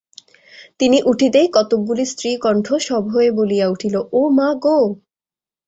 তিনি উঠিতেই কতকগুলি স্ত্রীকণ্ঠ সভয়ে বলিয়া উঠিল ও মা গো!